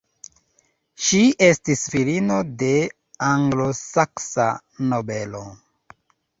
Ŝi estis filino de anglosaksa nobelo.